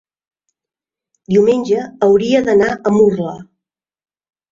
Diumenge hauria d'anar a Murla.